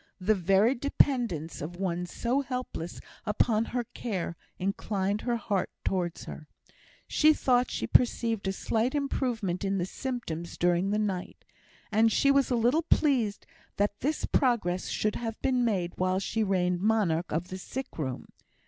The very dependence of one so helpless upon her care inclined her heart towards her. She thought she perceived a slight improvement in the symptoms during the night, and she was a little pleased that this progress should have been made while she reigned monarch of the sick room.